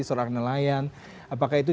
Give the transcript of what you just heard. seorang nelayan apakah itu